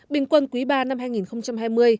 bình quân quý iii năm hai nghìn hai mươi